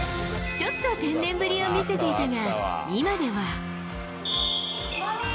ちょっと天然ぶりを見せていたが、今では。